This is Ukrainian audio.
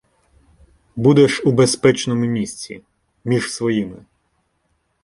— Будеш у безпечному місці, між своїми.